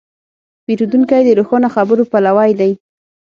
پیرودونکی د روښانه خبرو پلوی دی.